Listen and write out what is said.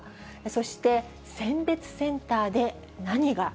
そして、選別センターで何が？